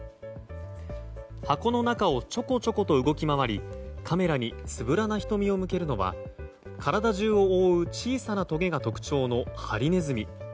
箱の中をちょこちょこと動き回りカメラにつぶらな瞳を向けるのは体中を覆う小さなとげが特徴のハリネズミ。